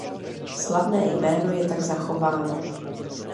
Slavné jméno je tak zachováno.